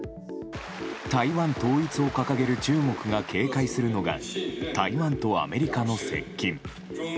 台湾統一を掲げる中国が警戒するのが台湾とアメリカの接近。